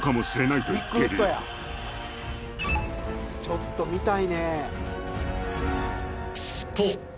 ちょっと見たいね。